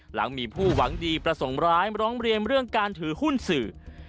หลังมีผู้หวังดีประสงค์ร้ายร้องเรียนเรื่องการถือหุ้นสื่อ